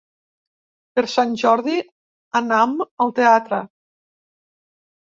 Per Sant Jordi anam al teatre.